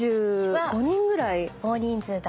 大人数だ。